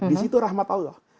disitu rahmat allah